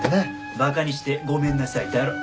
「馬鹿にしてごめんなさい」だろ！